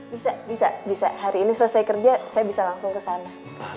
bisa bisa bisa hari ini selesai kerja saya bisa langsung kesana